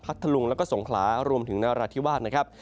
พัทธลุงและสงขลารวมถึงนราธิวาส